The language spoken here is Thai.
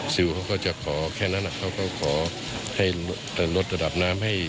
ซิลเขาก็จะขอแค่นั้นเขาก็ขอให้ลดระดับน้ำให้